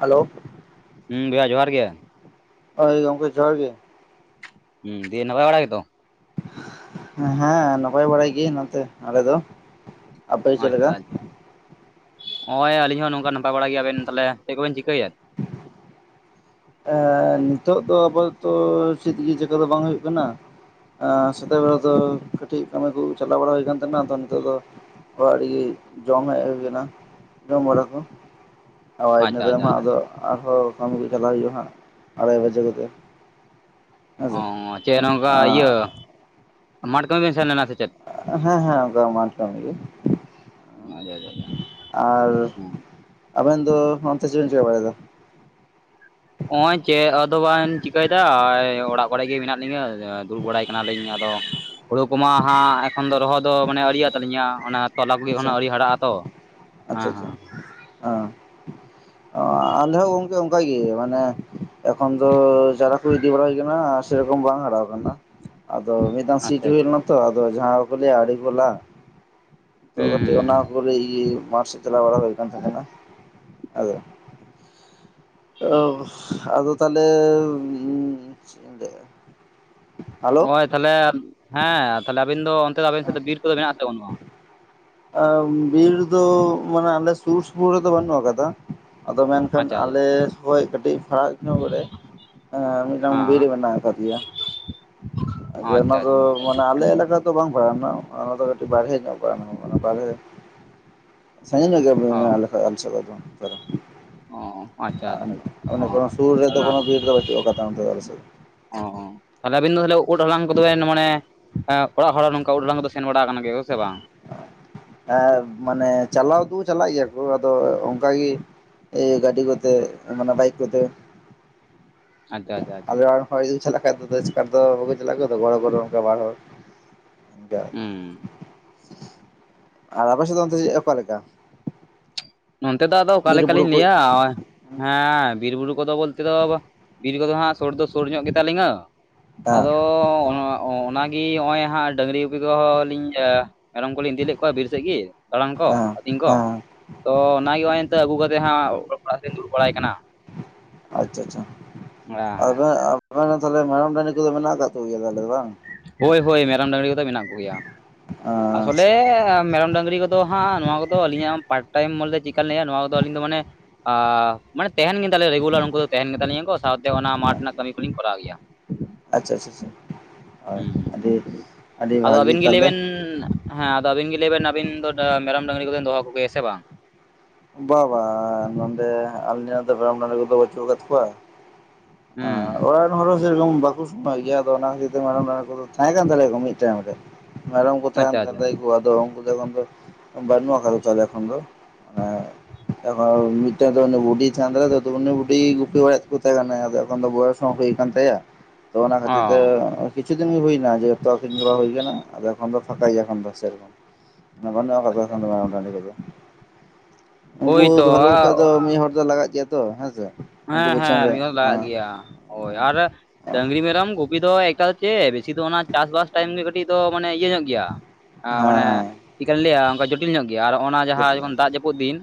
Hello ᱦᱩᱸ ᱵᱚᱭᱦᱟ ᱡᱚᱦᱟᱨ ᱜᱮ ᱦᱳᱭ ᱜᱚᱝᱠᱮ ᱡᱚᱦᱟᱨ ᱜᱮ ᱦᱩᱸ ᱫᱤᱭᱮ ᱱᱟᱯᱟᱭ ᱵᱟᱲᱟ ᱜᱮᱛᱚ ᱦᱮᱸ ᱱᱟᱯᱟᱭ ᱵᱟᱲᱟ ᱜᱮ ᱱᱚᱛᱮ ᱟᱞᱮ ᱫᱚ ᱟᱯᱮ ᱪᱮᱫ ᱟᱪᱪᱷᱟ ᱞᱮᱠᱟ ᱟᱪᱪᱷᱟ ᱦᱳᱭ ᱟᱹᱞᱤᱧ ᱦᱚᱸ ᱱᱚᱝᱠᱟ ᱱᱟᱯᱟᱭ ᱵᱟᱲᱟ ᱜᱮ ᱟᱵᱮᱱ ᱛᱟᱦᱚᱞᱮ ᱪᱮᱫ ᱠᱚᱵᱮᱱ ᱪᱤᱠᱟᱹᱭᱟ ᱮ ᱱᱤᱛᱚᱜ ᱫᱚ ᱟᱯᱟᱛᱚᱛᱚ ᱪᱮᱫᱜᱮ ᱪᱤᱠᱟ ᱫᱚ ᱵᱟᱝ ᱦᱩᱭᱩᱜ ᱠᱟᱱᱟ ᱥᱮᱛᱟᱜ ᱵᱮᱲᱟ ᱫᱚ ᱠᱟᱹᱴᱤᱡ ᱠᱟᱹᱢᱤ ᱠᱚ ᱪᱟᱞᱟᱣ ᱵᱟᱲᱟ ᱦᱩᱭ ᱟᱠᱟᱱ ᱛᱟᱦᱮᱱᱟ ᱟᱫᱚ ᱱᱤᱛᱚᱜ ᱫᱚ ᱚᱲᱟᱜ ᱨᱮᱜᱮ ᱡᱚᱢ ᱦᱮᱡ ᱦᱩᱭ ᱠᱟᱱᱟ ᱡᱚᱢ ᱵᱟᱲᱟ ᱠᱚ ᱦᱳᱭ ᱟᱪᱪᱷᱟ ᱤᱱᱟᱹ ᱛᱟᱭᱚᱢ ᱟᱪᱪᱷᱟ ᱦᱟᱸᱜ ᱟᱪᱪᱷᱟ ᱟᱫᱚ ᱟᱨᱦᱚᱸ ᱠᱟᱹᱢᱤ ᱠᱚ ᱪᱟᱞᱟᱜ ᱦᱩᱭᱩᱜᱼᱟ ᱦᱟᱸᱜ ᱟᱲᱟᱭ ᱵᱟᱡᱮ ᱠᱚᱛᱮ ᱚ ᱦᱮᱸᱥᱮ ᱪᱮᱫ ᱱᱚᱝᱠᱟ ᱤᱭᱟᱹ ᱟᱸ ᱢᱟᱴ ᱠᱟᱹᱢᱤ ᱵᱮᱱ ᱥᱮᱱ ᱞᱮᱱᱟ ᱥᱮ ᱪᱮᱫ ᱦᱮᱸ ᱦᱮᱸ ᱟᱫᱚ ᱢᱟᱴ ᱠᱟᱹᱢᱤ ᱜᱮ ᱟᱪᱪᱷᱟ ᱟᱪᱪᱷᱟ ᱟᱪᱪᱷᱟ ᱟᱨ ᱦᱩᱸ ᱟᱵᱮᱱ ᱫᱚ ᱱᱚᱱᱛᱮ ᱪᱮᱫ ᱵᱤᱱ ᱪᱮᱠᱟ ᱵᱟᱲᱟᱭ ᱮᱫᱟ ᱚᱸᱭ ᱪᱮ ᱟ ᱟᱫᱚ ᱵᱟᱝ ᱪᱤᱠᱟᱹᱭ ᱫᱟ ᱚᱲᱟᱜ ᱠᱚᱨᱮ ᱜᱮ ᱢᱮᱱᱟᱜ ᱞᱤᱧᱟᱹ ᱟᱨᱠᱤ ᱫᱩᱲᱩᱵ ᱵᱟᱲᱟᱭ ᱠᱟᱱᱟ ᱞᱤᱧ ᱟᱫᱚ ᱦᱩᱲᱩ ᱠᱚᱢᱟ ᱦᱟᱸᱜ ᱮᱠᱷᱚᱱ ᱫᱚ ᱨᱚᱦᱚᱭ ᱫᱚ ᱢᱟᱱᱮ ᱟᱹᱣᱨᱤᱭᱟᱜ ᱛᱟᱹᱞᱤᱧᱟ ᱚᱱᱟ ᱛᱚᱞᱟ ᱠᱚ ᱜᱮ ᱚᱱᱟ ᱟᱪᱪᱷᱟ ᱟᱹᱣᱨᱤ ᱦᱟᱨᱟᱜᱼᱟ ᱛᱚ ᱦᱟᱸ ᱦᱟᱸ ᱦᱟ ᱟᱞᱮ ᱦᱚᱸ ᱜᱚᱝᱠᱮ ᱚᱱᱠᱟᱜᱮ ᱢᱟᱱᱮ ᱮᱠᱷᱚᱱ ᱫᱚ ᱪᱟᱨᱟ ᱠᱚ ᱜᱤᱰᱤ ᱵᱟᱲᱟ ᱦᱩᱭ ᱟᱠᱟᱱᱟ ᱥᱮᱨᱚᱠᱚᱢ ᱵᱟᱝ ᱦᱟᱨᱟᱣ ᱟᱠᱟᱱᱟ ᱟᱫᱚ ᱢᱤᱫ ᱫᱟᱢ ᱥᱤ ᱟᱪᱪᱷᱟ ᱦᱩᱭ ᱞᱮᱱᱟ ᱛᱚ ᱟᱫᱚ ᱡᱟᱦᱟᱸ ᱠᱚ ᱞᱟᱹᱭ ᱟᱲᱮ ᱠᱚ ᱞᱟᱜ ᱛᱚ ᱦᱩᱸ ᱠᱟᱹᱴᱤᱡ ᱦᱩᱸ ᱚᱱᱟ ᱯᱚᱨᱮ ᱤᱭᱟᱹ ᱢᱟᱴ ᱥᱮᱫ ᱪᱟᱞᱟᱣ ᱵᱟᱲᱟ ᱦᱩᱭ ᱠᱟᱱ ᱛᱟᱸᱦᱮ ᱠᱟᱱᱟ᱾ ᱟᱫᱚ ᱳ ᱟᱫᱚ ᱛᱟᱦᱚᱞᱮ ᱪᱮ ᱤᱧ ᱞᱟᱹᱭᱟ? ᱚᱸᱭ ᱛᱟᱦᱚᱞᱮ ᱦᱮᱸ ᱛᱟᱦᱚᱞᱮ ᱟᱵᱤᱱ ᱫᱚ ᱚᱱᱛᱮ ᱫᱚ ᱟᱵᱮᱱ ᱥᱮᱫ ᱫᱚ ᱵᱤᱨ ᱠᱚᱫᱚ ᱢᱮᱱᱟᱜᱼᱟ ᱥᱮ ᱵᱟᱹᱱᱩᱜᱼᱟ? ᱟ ᱵᱤᱨ ᱫᱚ ᱢᱟᱱᱮ ᱟᱞᱮ ᱥᱩᱨ ᱥᱩᱯᱩᱨ ᱨᱮᱫᱚ ᱵᱟᱹᱱᱩᱜ ᱟᱠᱟᱫᱟ ᱟᱫᱚ ᱢᱮᱱᱠᱷᱟᱱ ᱟᱪᱪᱷᱟ ᱟᱪᱪᱷᱟ ᱟᱞᱮ ᱠᱷᱚᱱ ᱠᱟᱹᱴᱤᱡ ᱯᱷᱟᱨᱟᱠ ᱧᱚᱜ ᱨᱮ ᱮᱸ ᱢᱤᱫᱴᱟᱝ ᱦᱮᱸ ᱵᱤᱨ ᱢᱮᱱᱟᱜ ᱟᱠᱟᱫᱮᱭᱟ᱾ ᱟᱫᱚ ᱟᱪᱪᱷᱟ ᱚᱱᱟ ᱟᱪᱪᱷᱟ ᱫᱚ ᱢᱟᱱᱮ ᱟᱞᱮ ᱮᱞᱟᱠᱟ ᱫᱚ ᱵᱟᱝ ᱯᱟᱣᱱᱟ ᱚᱱᱟ ᱫᱚ ᱠᱟᱹᱴᱤᱡ ᱵᱟᱨᱦᱮ ᱧᱚᱜ ᱯᱟᱲᱟᱜ [unintelligible] ᱵᱟᱨᱦᱮ ᱥᱟᱹᱜᱤᱧ ᱧᱚᱜ ᱜᱮ᱾ ᱚᱸ᱾ [unintelligible] ᱟᱨ ᱚᱱᱟ ᱠᱷᱚᱡ ᱟᱪᱪᱷᱟ ᱟᱪᱪᱷᱟ ᱚ ᱦᱚ ᱥᱩᱨ ᱨᱮᱫᱚ ᱚᱱᱟ ᱠᱳᱱᱳ ᱵᱤᱨ ᱫᱚ ᱵᱟᱹᱪᱩᱜ ᱟᱠᱟᱫᱟ ᱚᱱᱛᱮ ᱟᱞᱮ ᱥᱮᱡ᱾ ᱚᱸ ᱛᱟᱦᱚᱞᱮ ᱟᱵᱤᱱ ᱫᱚ ᱵᱚᱞᱮ ᱩᱫ ᱦᱚᱞᱟᱝ ᱠᱚᱫᱚ ᱵᱮᱱ ᱢᱟᱱᱮ ᱮᱸ ᱚᱲᱟᱜ ᱦᱚᱲ ᱱᱚᱝᱠᱟ ᱩᱫ ᱦᱟᱞᱟᱝ ᱠᱚᱫᱚ ᱥᱮᱱ ᱵᱟᱲᱟ ᱠᱟᱱᱟ ᱜᱮᱭᱟ ᱥᱮ ᱵᱟᱝ? ᱮᱸ ᱢᱟᱱᱮ ᱪᱟᱞᱟᱣ ᱫᱚ ᱪᱟᱞᱟᱜ ᱜᱮᱭᱟ ᱠᱚ ᱟᱫᱚ ᱚᱱᱠᱟ ᱜᱤ᱾ ᱮ ᱜᱟᱹᱰᱤ ᱠᱚᱛᱮ ᱢᱟᱱᱮ ᱵᱟᱭᱤᱠ ᱠᱚᱛᱮ᱾ ᱟᱫᱟ ᱟᱫᱟ ᱟᱪ ᱚᱲᱟᱜ ᱨᱮᱱ ᱦᱚᱲ ᱡᱩᱫᱤ ᱪᱟᱞᱟᱜ ᱠᱷᱟᱡ ᱫᱚ ᱟᱫᱚ ᱮᱥᱠᱟᱨ ᱫᱚ ᱵᱟᱠᱚ ᱪᱟᱞᱟᱜ ᱜᱮᱭᱟ ᱛᱚ ᱜᱚ ᱦᱚᱲ ᱠᱚᱫᱚ ᱚᱱᱠᱟ ᱵᱟᱝ ᱦᱩᱭᱩᱜ᱾ ᱦᱩᱸ᱾ ᱟᱨ ᱟᱯᱮ ᱥᱮᱫ ᱫᱚ ᱚᱱᱛᱮ ᱡᱮ ᱚᱠᱟᱮ ᱞᱮᱠᱟ᱾ ᱱᱚᱱᱛᱮ ᱫᱚ ᱟᱫᱚ ᱚᱠᱟ ᱵᱤᱨ ᱵᱩᱨᱩ ᱞᱮᱠᱟᱞᱤᱧ ᱠᱚ ᱞᱟᱹᱭᱟ ᱚᱜᱼᱚᱭ᱾ ᱦᱮᱸ ᱵᱤᱨᱼᱵᱩᱨᱩ ᱠᱚᱫᱚ ᱵᱚᱞᱛᱮ ᱫᱚ ᱵᱤᱨ ᱠᱚᱫᱚ ᱦᱟᱸᱜ ᱥᱩᱨ ᱫᱚ ᱥᱩᱨ ᱧᱚᱜ ᱜᱮᱛᱟ ᱞᱤᱧᱟᱹ᱾ ᱦᱮᱸ ᱟᱫᱚ ᱚ-ᱚ-ᱚᱱᱟ ᱜᱤ ᱦᱚᱜᱼᱚᱭ ᱦᱟᱸᱜ ᱰᱟᱝᱜᱨᱤ ᱜᱩᱯᱤ ᱠᱚᱦᱚᱸ ᱞᱤᱧ ᱮ ᱢᱮᱨᱚᱢ ᱠᱚᱞᱤᱧ ᱤᱫᱤᱞ ᱞᱮᱫ ᱠᱚᱣᱟ ᱵᱤᱨ ᱥᱮᱜ ᱜᱮ ᱫᱟᱬᱟᱱ ᱠᱚ, ᱦᱮᱸ ᱟᱹᱛᱤᱧ ᱠᱚ᱾ ᱦᱮᱸ ᱛᱚ ᱚᱱᱟᱜᱮ ᱦᱚᱜ ᱚᱭ ᱮᱱᱛᱚᱜ ᱟᱹᱜᱩ ᱠᱟᱛᱮᱜ ᱦᱟᱸᱜ ᱚ-ᱚ-ᱚᱞᱜ ᱯᱟᱲᱦᱟᱜ ᱜᱮᱧ ᱫᱩᱲᱩᱵ ᱵᱟᱲᱟᱭ ᱠᱟᱱᱟ᱾ ᱟᱪᱪᱟᱼᱪᱷᱟ, ᱦᱮᱸ ᱦᱮᱸ ᱟᱵᱚ ᱟ [unintelligible] ᱛᱟᱦᱚᱞᱮ ᱢᱮᱨᱟᱢ ᱰᱟᱝᱜᱨᱤ ᱠᱚᱫᱚ ᱢᱮᱱᱟᱜ ᱠᱟᱜ ᱠᱚ ᱜᱮᱭᱟ ᱛᱟᱦᱚᱞᱮ ᱵᱟᱝ? ᱦᱳᱭ ᱦᱳᱭ ᱢᱮᱨᱚᱢ ᱰᱟᱝᱜᱨᱤ ᱠᱚᱫᱚ ᱢᱮᱱᱟᱜ ᱠᱚᱜᱮᱭᱟ, ᱟᱥᱚᱞᱮ ᱟᱪᱪᱷᱟ ᱢᱮᱨᱚᱢ ᱰᱟᱝᱜᱨᱤ ᱠᱚ ᱫᱚ ᱦᱟᱸᱜ ᱱᱚᱣᱟ ᱠᱚᱫᱚ ᱟᱹᱞᱤᱧᱟᱜ ᱯᱟᱴ ᱴᱟᱭᱤᱢ ᱵᱚᱞᱮ ᱪᱮᱜᱠᱟᱱ ᱞᱟᱹᱭᱟ ᱱᱚᱣᱟ ᱠᱚᱫᱚ ᱟᱞᱤᱧ ᱫᱚ ᱢᱟᱱᱮ ᱟᱨ ᱢᱟᱱᱮ ᱛᱟᱦᱮᱱ ᱜᱮ ᱛᱟᱞᱮᱭᱟ ᱨᱮᱜᱩᱞᱟᱨ ᱩᱱᱠᱩ ᱫᱚ ᱛᱟᱦᱮᱱ ᱜᱮ ᱛᱟᱞᱤᱧᱟ ᱠᱚ ᱥᱟᱶᱛᱮ ᱚᱱᱟ ᱢᱟᱴ ᱨᱮᱱᱟᱜ ᱠᱟᱹᱢᱤ ᱠᱚᱞᱤᱧ ᱠᱚᱨᱟᱣ ᱜᱮᱭᱟ᱾ ᱟᱪᱪᱷᱟ ᱟᱪᱟ ᱪᱟ ᱟ ᱟᱹᱰᱤ ᱟᱹᱰᱤ ᱵᱷᱟᱹᱜᱤ ᱛᱟᱦᱚᱞᱮ᱾ ᱩᱸ᱾ ᱦᱮᱸ ᱟᱫᱚ ᱟᱹᱵᱤᱱ ᱜᱮ ᱞᱟᱹᱭ ᱵᱮᱱ ᱟᱹᱵᱤᱱ ᱫᱚ ᱰᱟ ᱢᱮᱨᱚᱢ ᱰᱟᱝᱜᱨᱤ ᱠᱚ ᱵᱤᱱ ᱫᱚᱦᱚ ᱠᱚᱜᱮᱭᱟ ᱥᱮ ᱵᱟᱝ? ᱵᱟ ᱵᱟ ᱟᱸ ᱱᱚᱸᱰᱮ ᱟᱞᱮ ᱨᱮᱱ ᱫᱚ ᱢᱮᱨᱚᱢ ᱜᱟᱝᱜᱨᱤ ᱠᱚᱫᱚ ᱵᱟᱹᱪᱩᱜ ᱠᱟᱫ ᱠᱚᱣᱟ᱾ ᱟᱸ ᱦᱩᱸ ᱚᱲᱟ [unintelligible] ᱵᱟᱠᱚ ᱥᱮᱱᱚᱜ ᱜᱮᱭᱟ ᱟᱫᱚ ᱚᱱᱟ ᱠᱷᱟᱹᱛᱤᱨ ᱢᱮᱨᱚᱢ ᱰᱟᱹᱝᱨᱤ ᱫᱚ ᱛᱟᱦᱮᱸ ᱠᱟᱱ ᱛᱟᱞᱮᱭᱟ ᱠᱚ ᱢᱤᱫ ᱴᱟᱭᱤᱢ ᱨᱮ᱾ ᱢᱮᱨᱚᱢ ᱠᱚ ᱛᱟᱦᱮᱱ ᱟᱪᱪᱷᱟ ᱟᱪᱪᱷᱟ ᱛᱟᱞᱮᱭ ᱠᱚ ᱟᱫᱚ ᱩᱱᱠᱩ ᱫᱚ ᱮᱠᱷᱚᱱ ᱫᱚ ᱵᱟᱹᱱᱩᱜ ᱟᱠᱟᱫᱟ ᱛᱟᱦᱚᱞᱮ ᱮᱠᱷᱚᱱ ᱫᱚ᱾ [inaudible] [unintelligible] ᱢᱤᱫᱴᱮᱱ ᱫᱚ ᱩᱱᱤ ᱵᱩᱰᱤᱭ ᱛᱟᱦᱮᱸ [unintelligible] ᱩᱱᱤ ᱵᱩᱰᱤᱭ ᱜᱩᱯᱤ ᱵᱟᱲᱟᱭᱮᱫ ᱠᱚ ᱛᱟᱦᱮᱸ ᱠᱟᱱᱟᱭ ᱟᱫᱚ ᱮᱠᱷᱚᱱ ᱫᱚ ᱵᱚᱭᱚᱥ ᱦᱚᱸ ᱦᱩᱭ ᱠᱟᱱ ᱛᱟᱭᱟ ᱛᱚ ᱚᱱᱟ ᱠᱷᱟᱹᱛᱤᱨ ᱚ ᱛᱮ᱾ ᱠᱤᱪᱷᱩ ᱫᱤᱱ ᱜᱮ ᱦᱩᱭᱱᱟ ᱡᱷᱚᱛᱚ ᱟᱹᱠᱷᱨᱤᱧ ᱵᱟᱲᱟ ᱦᱩᱭ ᱠᱟᱱᱟ ᱟᱫᱚ ᱮᱠᱷᱚᱱ ᱫᱚ ᱯᱷᱟᱠᱟ ᱭᱮᱭᱟ ᱠᱷᱟᱱ ᱫᱚ ᱥᱮᱨᱚᱠᱚᱢ᱾ ᱟᱪᱪᱷᱟ [unintelligible] ᱩᱱᱠᱩ ᱦᱳᱭᱛᱚ ᱫᱚ ᱞᱤᱠᱩ ᱠᱷᱟᱡ ᱫᱚ ᱢᱤᱫ ᱦᱚᱲ ᱫᱚ ᱞᱟᱜᱟᱜ ᱜᱮᱭᱟ ᱛᱚ, ᱦᱮᱸᱥᱮ? ᱦᱮᱸ ᱦᱮᱸ ᱢᱤᱫ ᱦᱚᱲ ᱞᱟᱜᱟᱜ ᱜᱮᱭᱟ ᱦᱳᱭ ᱟᱨ ᱰᱟᱺᱝᱨᱤ ᱢᱮᱨᱚᱢ ᱜᱩᱯᱤ ᱫᱚ ᱮᱠᱟᱞ ᱪᱮ ᱵᱮᱥᱤ ᱫᱚ ᱚᱱᱟ ᱪᱟᱥ ᱵᱟᱥ ᱴᱟᱭᱤᱢ ᱜᱮ ᱠᱟᱹᱴᱤᱡ ᱫᱚ ᱢᱟᱱᱮ ᱤᱭᱟᱹ ᱧᱚᱜ ᱜᱮᱭᱟ ᱟ ᱦᱮᱸ ᱢᱟᱱᱮ ᱦᱮᱸ ᱪᱮᱜᱠᱟ ᱞᱤᱧ ᱞᱟᱹᱭᱟ ᱚᱱᱠᱟ ᱡᱚ ᱡᱚᱴᱤᱞ ᱧᱚᱜ ᱜᱮᱭᱟ ᱟᱨ ᱚᱱᱟ ᱡᱟᱸᱦᱟ ᱡᱮᱢᱚᱱ ᱫᱟᱜ ᱡᱟᱹᱯᱩᱫ ᱫᱤᱱ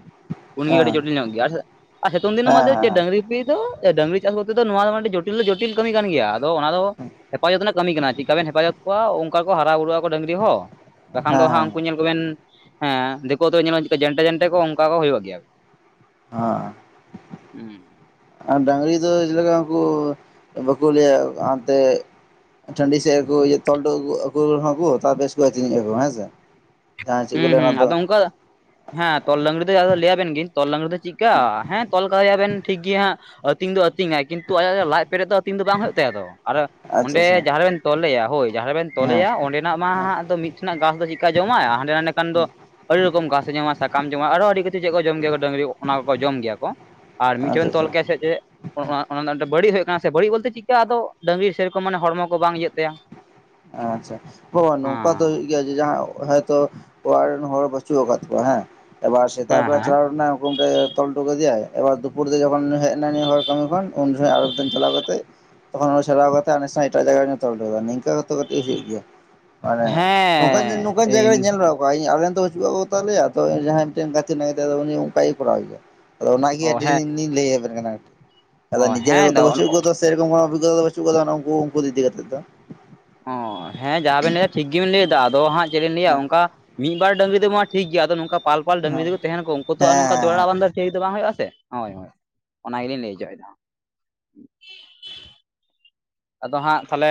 ᱩᱱᱜᱤ ᱟᱹᱰᱤ ᱡᱚᱴᱤᱞ ᱧᱚᱜ ᱜᱮᱭᱟ ᱟᱥᱮ ᱥᱤᱛᱩᱝ ᱦᱮᱸ ᱫᱤᱱ ᱦᱮᱸ ᱢᱟᱞᱮ ᱨᱤᱯᱤ ᱫᱚ ᱮ ᱰᱟᱹᱝᱨᱤ ᱪᱟᱥ ᱠᱚᱛᱮ ᱫᱚ ᱱᱚᱣᱟ ᱫᱚ ᱟᱹᱰᱤ ᱡᱚᱴᱤᱞ ᱫᱚ ᱡᱚᱴᱤᱞ ᱠᱟᱹᱢᱤ ᱠᱟᱱ ᱜᱮᱭᱟ, ᱟᱫᱚ ᱚᱱᱟ ᱫᱚ ᱦᱮᱯᱟᱡᱚᱛ ᱨᱮᱱᱟᱜ ᱠᱟᱹᱢᱤ ᱠᱟᱱᱟ ᱪᱤᱜᱠᱟ ᱵᱮᱱ ᱦᱮᱯᱟᱡᱚᱛ ᱠᱚᱣᱟ ᱚᱱᱠᱟ ᱠᱚ ᱦᱟᱨᱟ ᱵᱩᱨᱩᱜ ᱟᱠᱚ ᱰᱟᱝᱨᱤ ᱦᱚᱸ ᱵᱟᱠᱷᱟᱱ ᱫᱚ ᱦᱮᱸ ᱦᱟᱸᱜ ᱦᱮᱸ ᱩᱱᱠᱩ ᱧᱮᱞ ᱠᱚᱵᱮᱱ ᱦᱮᱸ ᱫᱤᱠᱳ ᱛᱚ ᱧᱮᱞᱵᱮᱱ ᱪᱮᱜᱠᱟ ᱡᱮᱱᱴᱮ ᱡᱮᱱᱴᱮ ᱠᱚ ᱚᱱᱠᱟ ᱠᱚ ᱦᱩᱭᱩᱜ ᱜᱮᱭᱟ᱾ ᱦᱮᱸ, ᱟᱨ ᱰᱟᱝᱨᱤ ᱤᱭᱟᱹ ᱪᱮᱫ ᱞᱮᱠᱟ ᱩᱱᱠᱩ ᱵᱟᱠᱚ ᱞᱟᱹᱭᱟ ᱦᱟᱱᱛᱮ ᱴᱟᱺᱰᱤ ᱥᱮᱫ ᱨᱮᱠᱩ ᱛᱚᱞᱴᱚ ᱠᱟᱠᱩ ᱨᱮᱦᱚᱸ ᱠᱚ ᱛᱟᱯᱮᱥ ᱠᱚ ᱟᱹᱛᱤᱧᱟ ᱠᱚ ᱦᱮᱸᱥᱮ ᱦᱩᱸ ᱦᱩᱸ ᱟᱫᱚ ᱚᱱᱠᱟ ᱫᱚ ᱦᱮᱸ ᱛᱚᱞ ᱰᱟᱝᱨᱤ ᱫᱚ ᱟᱫᱚ ᱞᱟᱹᱭ ᱟᱵᱮᱱ ᱜᱤᱧ ᱛᱚᱞ ᱰᱟᱝᱨᱤ ᱫᱚ ᱪᱮᱫᱠᱟ ᱦᱮᱸ ᱛᱚᱞ ᱠᱟᱭᱟᱵᱮᱱ ᱴᱷᱤᱠ ᱜᱮᱭᱟ ᱦᱟᱸᱜ ᱟᱛᱤᱧ ᱫᱚ ᱟᱛᱤᱧᱟᱭ ᱠᱤᱱᱛᱩ ᱟᱭᱟᱜ ᱞᱟᱡ ᱯᱮᱨᱮᱡ ᱫᱚ ᱟᱹᱛᱤᱧ ᱫᱚ ᱵᱟᱝ ᱦᱩᱭᱩᱜ ᱛᱟᱭᱟ ᱛᱚ ᱟᱨ ᱟᱪᱪᱷᱟ ᱚᱸᱰᱮ ᱟᱪᱪᱷᱟ ᱡᱟᱸᱦᱟ ᱨᱮᱵᱮᱱ ᱛᱚᱞᱮᱭᱟ ᱦᱳᱭ ᱡᱟᱦᱟᱸ ᱨᱮᱵᱮᱱ ᱦᱮᱸ ᱛᱚᱞᱮᱭᱟ ᱚᱸᱰᱮᱱᱟᱜ ᱢᱟ ᱦᱟᱸᱜ ᱫᱚ ᱢᱤᱫ ᱴᱷᱮᱱᱟᱜ ᱜᱷᱟᱥ ᱫᱚ ᱪᱮᱫᱠᱟ ᱡᱚᱢᱟᱭ ᱦᱟᱸᱰᱮ ᱱᱟᱰᱮ ᱠᱷᱟᱱ ᱫᱚ ᱟᱰᱤ ᱨᱚᱠᱚᱢ ᱜᱷᱟᱥᱮ ᱡᱚᱢᱟ ᱥᱟᱠᱟᱢ ᱡᱚᱢᱟ ᱟᱨᱦᱚᱸ ᱟᱰᱤ ᱠᱤᱪᱷᱩ ᱪᱮᱫ ᱠᱚ ᱡᱚᱢ ᱜᱮᱭᱟ ᱠᱚ ᱰᱟᱝᱨᱤ ᱚᱱᱟ ᱠᱚᱠᱚ ᱡᱚᱢ ᱜᱮᱭᱟ ᱠᱚ ᱟᱨ ᱢᱤᱫᱴᱷᱮᱱ ᱟᱪᱪᱷᱟ ᱵᱮᱱ ᱟᱪᱪᱷᱟ ᱛᱚᱞ ᱠᱮᱭᱟ ᱥᱮ ᱪᱮᱫ ᱚᱱᱟ ᱫᱚ ᱵᱟᱹᱲᱤᱡ ᱦᱩᱭᱩᱜ ᱠᱟᱱᱟ ᱥᱮ ᱵᱟᱹᱲᱤᱡ ᱵᱚᱞᱛᱮ ᱪᱤᱜᱠᱟ ᱟᱫᱚ ᱰᱟᱹᱝᱨᱤ ᱥᱮᱨᱚᱠᱚᱢ ᱢᱟᱱᱮ ᱦᱚᱲᱢᱚ ᱠᱚ ᱵᱟᱝ ᱤᱭᱟᱹᱜ ᱛᱟᱭᱟ ᱟᱪᱪᱷᱟ ᱵᱟ ᱱᱚᱝᱠᱟ ᱫᱚ ᱦᱮᱸ ᱦᱳᱭᱳᱜ ᱜᱮᱭᱟ ᱡᱮ ᱡᱟᱦᱟᱸ ᱦᱚᱭᱛᱚ ᱚᱲᱟᱜ ᱨᱮᱱ ᱦᱚᱲ ᱵᱟᱪᱩᱜ ᱟᱠᱟᱫ ᱠᱚᱣᱟ ᱦᱮᱸ ᱮᱵᱟᱨ ᱥᱮᱛᱟᱜ ᱦᱮᱸ ᱵᱮᱲᱟ ᱦᱮᱸ ᱪᱷᱟᱲᱟᱣ ᱨᱮᱱᱟᱜ ᱦᱩᱠᱩᱢ ᱛᱮ ᱛᱚᱞ ᱴᱩ ᱠᱟᱫᱮᱭᱟᱭ ᱮᱵᱟᱨ ᱫᱩᱯᱩᱨ ᱫᱤᱠᱮ ᱵᱮᱱ ᱦᱮᱡ ᱮᱱᱟ ᱱᱮ ᱦᱚᱲ ᱠᱟᱹᱢᱤ ᱠᱷᱚᱱ ᱩᱱ ᱥᱚᱢᱚᱭ ᱟᱨᱚ ᱫᱤᱱ ᱪᱟᱞᱟᱣ ᱠᱟᱛᱮ ᱛᱚᱠᱷᱚᱱ ᱚᱱᱟ ᱥᱚᱨᱟᱣ ᱠᱟᱛᱮ ᱱᱟᱥᱮ ᱱᱟᱜ ᱮᱴᱟᱜ ᱡᱟᱭᱜᱟ ᱨᱮᱵᱤᱱ ᱛᱚᱞ ᱠᱮᱫᱮᱭᱟ ᱱᱤᱝᱠᱟᱹ ᱠᱟᱛᱮ ᱠᱟᱹᱴᱤᱡ ᱦᱩᱭᱩᱜ ᱜᱮᱭᱟ ᱦᱮᱸ ᱢᱟᱱᱮ ᱱᱚᱝᱠᱟᱱ ᱱᱚᱝᱠᱟᱱ ᱡᱟᱭᱜᱟ ᱦᱮᱸ ᱦᱮᱸ ᱨᱮ ᱧᱮᱞ ᱵᱟᱲᱟᱣ ᱟᱞᱮ ᱨᱮᱱ ᱫᱚ ᱵᱟᱪᱩᱜ ᱠᱟᱜ ᱠᱚᱛᱟ ᱞᱮᱭᱟ ᱛᱚ ᱡᱟᱸᱦᱟᱸᱭ ᱢᱤᱫᱴᱮᱱ ᱜᱟᱛᱮ ᱢᱮᱱᱟᱭ ᱛᱟᱭᱫᱚ ᱩᱱᱤ ᱚᱱᱠᱟᱭ ᱠᱚᱨᱟᱣ ᱜᱮᱭᱟ ᱟᱫᱚ ᱚᱱᱟᱜᱮ ᱚ ᱟᱹᱰᱤ ᱦᱮᱸ ᱞᱤᱧ ᱞᱟᱹᱭ ᱟᱵᱮᱱ ᱠᱟᱱᱟ ᱟᱫᱚ ᱚ ᱱᱤᱡᱮᱨ ᱦᱮᱸ ᱦᱚᱸᱛᱚ ᱫᱚ ᱵᱟᱹᱪᱩᱜ ᱜᱚᱫᱟ ᱥᱮ ᱥᱮᱨᱚᱠᱚᱢ ᱠᱚᱱᱚ ᱚᱵᱤᱜᱜᱚᱛᱟ ᱫᱚ ᱵᱟᱪᱩᱜ ᱠᱟᱫᱟ ᱩᱱᱠᱩ ᱩᱱᱠᱩ ᱤᱫᱤ ᱠᱟᱛᱮᱫ ᱫᱚ ᱚ ᱦᱮᱸ ᱡᱟᱸᱦᱟᱸ ᱵᱮᱱ ᱞᱟᱹᱭᱟ ᱴᱷᱤᱠ ᱜᱮᱵᱮᱱ ᱞᱟᱹᱭᱫᱟ ᱟᱫᱚ ᱦᱟᱸᱜ ᱪᱮᱫ ᱵᱤᱱ ᱞᱟᱹᱭᱟ ᱦᱮᱸ ᱚᱱᱠᱟ ᱢᱤᱫ ᱮᱵᱟᱨ ᱰᱟᱝᱨᱤ ᱫᱚᱢᱟ ᱴᱷᱤᱠ ᱜᱮᱭᱟ ᱟᱫᱚ ᱱᱚᱝᱠᱟ ᱯᱟᱞᱯᱟᱞ ᱰᱟᱝᱨᱤ ᱦᱮᱸ ᱡᱩᱫᱤ ᱠᱩ ᱛᱟᱦᱮᱱᱟᱠᱩ ᱩᱱᱠᱩ ᱛᱚ ᱟᱨ ᱱᱚᱝᱠᱟ ᱡᱚᱲᱟ ᱟᱸᱫᱫᱟ ᱪᱮ ᱫᱚ ᱵᱟᱝ ᱦᱩᱭᱩᱜᱼᱟ ᱥᱮ ᱦᱚᱭ ᱦᱚᱭ ᱚᱱᱟ ᱜᱮᱞᱤᱧ ᱞᱟᱹᱭ ᱚᱪᱚᱭᱮᱫᱟ ᱟᱫᱚ ᱦᱟᱸᱜ ᱛᱟᱦᱞᱮ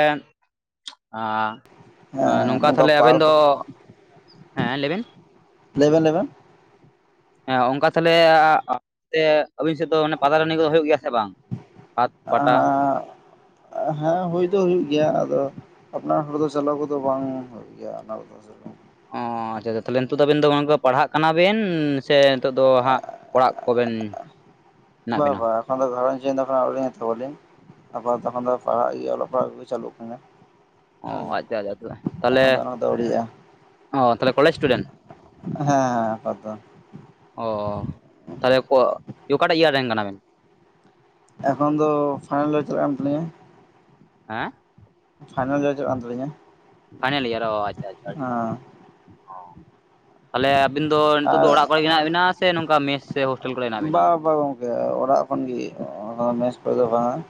ᱟᱻ ᱦᱮᱸ ᱱᱚᱝᱠᱟ ᱛᱟᱞᱦᱮ ᱟᱵᱮᱱ ᱯᱟᱨᱠ ᱫᱚ ᱦᱮᱸ ᱞᱟᱹᱭ ᱵᱮᱱ ᱞᱟᱹᱭ ᱵᱮᱱ ᱞᱟᱹᱭ ᱵᱮᱱ ᱦᱮᱸ ᱚᱱᱠᱟ ᱛᱟᱦᱞᱮ ᱟᱵᱤᱱ ᱥᱮᱫ ᱫᱚ ᱯᱟᱛᱟ ᱴᱟᱸᱰᱤ ᱠᱚᱫᱚ ᱦᱩᱭᱩᱜ ᱜᱮᱭᱟ ᱥᱮ ᱵᱟᱝ ᱦᱟᱴ ᱯᱟᱴᱟ ᱟᱨ [inaudible] ᱦᱮᱸ ᱦᱩᱭ ᱫᱚ ᱦᱩᱭᱩᱜ ᱜᱮᱭᱟ ᱟᱫᱚ ᱟᱯᱱᱟᱨ ᱦᱚᱲ ᱫᱚ ᱪᱟᱞᱟᱣ ᱠᱚᱫᱚ ᱵᱟᱝ ᱦᱩᱭᱩᱜ ᱭᱟ ᱟ ᱫᱚ [inaudible] ᱚᱻ ᱟᱪᱪᱷᱟ ᱟᱪᱪᱷᱟ ᱛᱟᱦᱞᱮ ᱱᱤᱛᱚᱜ ᱫᱚ ᱟᱵᱮᱱ ᱫᱚ ᱠᱟ ᱯᱟᱲᱦᱟᱜ ᱠᱟᱱᱟᱵᱤᱱ ᱥᱮ ᱱᱤᱛᱳᱜ ᱫᱚ ᱦᱟᱸᱜ ᱚᱲᱟᱜ ᱠᱚᱵᱮᱱ ᱢᱮᱱᱟᱜ ᱵᱟ ᱵᱮᱱᱟ ᱵᱟ ᱮᱠᱷᱚᱱ ᱫᱚ ᱜᱷᱟᱸᱨᱚᱧᱡ ᱪᱤᱱᱛᱟᱹ ᱠᱚ ᱟᱣᱨᱤ ᱦᱟᱛᱟᱣᱟᱞᱤᱧ ᱟᱯᱟᱛᱚᱛᱚ ᱮᱠᱷᱚᱱ ᱫᱚ ᱯᱟᱲᱦᱟᱜ ᱚᱞᱚᱜ ᱯᱟᱲᱦᱟᱜ ᱠᱚᱜᱤ ᱪᱟᱞᱩᱜ ᱠᱟᱱᱟ ᱚ ᱦᱮᱸ ᱟᱪᱪᱷᱟ ᱟᱪᱪᱷᱟ ᱛᱚᱵᱮ ᱛᱟᱦᱞᱮ ᱮᱠᱷᱚᱱ ᱫᱚ ᱚᱱᱟ ᱠᱚᱫᱚ ᱟᱹᱣᱨᱤᱭᱟᱜᱼᱟ ᱚ ᱛᱟᱦᱞᱮ ᱠᱚᱞᱮᱡᱽ ᱥᱴᱩᱰᱮᱱᱴ ᱦᱮᱸ ᱦᱮᱸ ᱟᱯᱟᱛᱚᱛᱚ ᱚ ᱛᱟᱦᱞᱮ ᱠᱚ ᱚᱠᱟᱴᱟᱜ ᱤᱭᱟᱨ ᱨᱮᱱ ᱠᱟᱱᱟᱵᱤᱱ ᱮᱠᱷᱚᱱ ᱫᱚ ᱯᱷᱟᱭᱱᱟᱞ ᱤᱭᱟᱨᱮ ᱪᱟᱞᱟᱜ ᱠᱟᱱ ᱛᱟᱹᱞᱤᱧᱟ ᱦᱮᱸ ᱯᱷᱟᱭᱱᱟᱞ ᱤᱭᱟᱨ ᱪᱟᱞᱟᱜ ᱠᱟᱱ ᱛᱟᱞᱤᱧᱟ ᱛᱟᱦᱞᱮ ᱟᱵᱤᱱ ᱫᱚ ᱱᱤᱛᱚᱜ ᱫᱚ ᱟᱨ ᱚᱲᱟᱜ ᱠᱚᱨᱮ ᱜᱮ ᱢᱮᱱᱟᱜ ᱵᱮᱱᱟ ᱥᱮ ᱱᱚᱝᱠᱟ ᱢᱮᱥ ᱥᱮ ᱦᱳᱥᱴᱮᱞ ᱠᱚᱨᱮ ᱦᱮᱱᱟᱜ ᱵᱤᱱᱟ ᱵᱟ ᱵᱟ ᱜᱚᱝᱠᱮ ᱚᱲᱟᱜ ᱠᱷᱚᱱᱜᱤ ᱚᱱᱟ ᱢᱮᱥ ᱠᱚᱫᱚ ᱵᱟᱝᱟ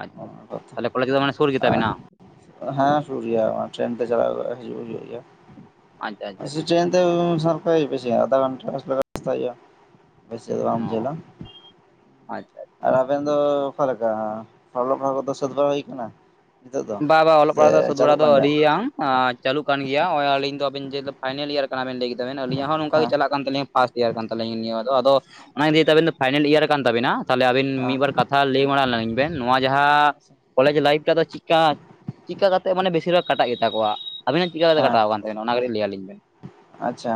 ᱟᱪᱪᱷᱟ ᱟᱪᱪᱷᱟ ᱛᱟᱦᱚᱞᱮ ᱠᱚᱞᱮᱡᱽ ᱫᱚ ᱢᱟᱱᱮ ᱥᱩᱨ ᱜᱮᱛᱟᱵᱤᱱᱟ [unintelligible] [inaudible] ᱦᱮᱸ ᱥᱩᱨ ᱜᱮᱭᱟ ᱴᱮᱨᱮᱹᱱ ᱛᱮ ᱪᱟᱞᱟᱣ ᱦᱤᱡᱩᱜ ᱦᱩᱭᱩᱜ ᱜᱮᱭᱟ ᱟᱪᱪᱷᱟ ᱟᱪᱪᱷᱟ ᱴᱨᱮᱱ ᱛᱮ [unintelligible] [unintelligible] ᱵᱮᱥᱤᱜ ᱟ ᱟᱫᱷᱟ ᱜᱷᱚᱱᱴᱟ ᱨᱟᱥᱛᱟ [unintelligible] ᱦᱩᱭᱩᱜ ᱟ ᱚᱸ ᱟᱪᱪᱷᱟ ᱟᱨ ᱟᱵᱮᱱ ᱫᱚ ᱚᱠᱟ ᱞᱮᱠᱟ ᱚᱞᱚ ᱯᱟᱲᱦᱟ ᱠᱚᱫᱚ ᱥᱟᱹᱛ ᱵᱟᱲᱟ ᱦᱩᱭ ᱟᱠᱟᱱᱟ ᱵᱟ ᱵᱟ ᱚᱞᱚᱜ ᱯᱟᱲᱟᱜ ᱫᱚ ᱥᱟᱹᱛ ᱵᱟᱲᱟ ᱫᱚ ᱜᱮᱭᱟ ᱟᱣᱤᱭᱟ ᱪᱟᱹᱩ ᱠᱟᱱ ᱜᱮᱭᱟ ᱟᱹᱞᱤᱧ ᱫᱚ ᱟᱵᱱ ᱡᱮᱞᱳ ᱯᱷᱟᱭᱱᱮᱞ ᱤᱭᱟᱨ ᱠᱟᱱᱟ ᱵᱮᱱ ᱞᱟᱹᱭ ᱠᱮᱫ ᱡᱮᱢᱮᱱ ᱟᱹᱞᱤᱧᱟᱜ ᱦᱚᱸ ᱱᱚᱝᱠᱟ ᱜᱮ ᱦᱮᱸ ᱪᱟᱞᱟᱜ ᱠᱟᱱ ᱛᱟᱹᱞᱤᱧ ᱯᱷᱟᱥᱴ ᱤᱭᱟᱨ ᱠᱟᱱ ᱛᱟᱹᱤᱧ ᱱᱤᱭᱟᱹ ᱫᱚ ᱟᱫᱚ ᱚᱱᱟ ᱤᱫᱤ ᱟᱵᱮᱱ ᱫᱚ ᱯᱷᱟᱭᱱᱮᱞ ᱤᱭᱟᱨ ᱟᱠᱟᱱ ᱛᱟᱵᱤᱱᱟ ᱛᱟᱦᱚᱞᱮ ᱟᱵᱤᱱ ᱦᱮᱸ ᱢᱤᱫ ᱵᱟᱨ ᱠᱟᱛᱷᱟ ᱞᱟᱹᱭ ᱵᱟᱲᱟ ᱞᱱᱟᱞᱤᱧ ᱵᱮᱱ ᱱᱚᱣᱟ ᱡᱟᱦᱟᱸ ᱠᱚᱞᱮᱡᱽ ᱞᱟᱭᱤᱯᱷ ᱢᱟᱜ ᱫᱚ ᱪᱤᱠᱟ ᱪᱤᱫᱠᱟ ᱠᱟᱛᱮ ᱢᱟᱱᱮ ᱵᱮᱥᱤᱨ ᱵᱷᱟᱜᱽ ᱠᱟᱴᱟᱜ ᱜᱮᱛᱟ ᱠᱚᱣᱟ ᱟᱵᱤᱱᱟᱜ ᱪᱤᱠᱟᱛᱮ ᱦᱮᱸ ᱠᱟᱴᱟᱣ ᱠᱟᱱ ᱛᱟᱵᱮᱱᱟ ᱚᱱᱟᱱᱟᱜᱞᱤ ᱞᱟᱹᱭᱟᱞᱤᱧ ᱵᱮᱱ ᱟᱪᱪᱷᱟ